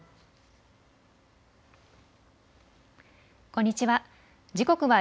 こんにちは。